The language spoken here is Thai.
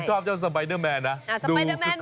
ชอบเจ้าสไปเดอร์แมนนะดูสุดท้าย